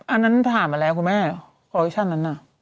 อันนั้นผ่านมาแล้วคุณแม่ออเคชั่นนั้นน่ะ